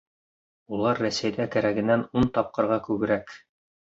Улар Рәсәйҙә кәрәгенән ун тапҡырға күберәк.